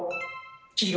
黄色。